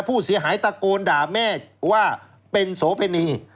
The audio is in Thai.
ผู้เสียหายตะโกนด่าแม่ว่าเป็นโสเพณี